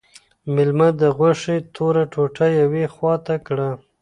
مېلمه د غوښې توره ټوټه یوې خواته کړه.